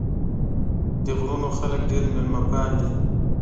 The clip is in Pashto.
د غرونو خلک ډېر مېلمه پال دي.